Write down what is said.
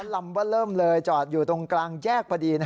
ลำว่าเริ่มเลยจอดอยู่ตรงกลางแยกพอดี